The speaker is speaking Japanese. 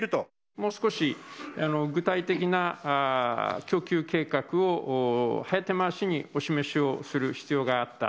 もう少し具体的な供給計画を早手回しにお示しをする必要があった。